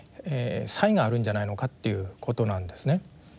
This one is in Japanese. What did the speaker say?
差異があるんじゃないのかっていうことなんですね。